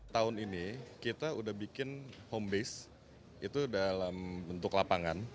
tahun ini kita udah bikin home base itu dalam bentuk lapangan